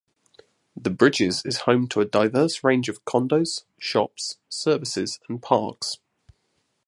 The Bridges is home to a diverse range of condos, shops, services, and parks.